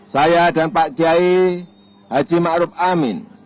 saya dan pak giai haji ma'ruf amin